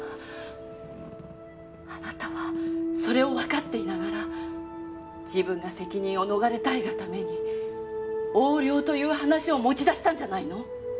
あなたはそれをわかっていながら自分が責任を逃れたいがために横領という話を持ち出したんじゃないの？